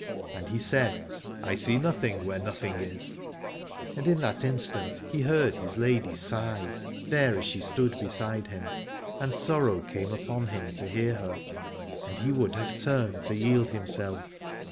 And he said, I see nothing where nothing is : and in that instant he heard his lady sigh, there as she stood beside him ; and sorrow came upon him to hear her, and he would have turned to yield himself.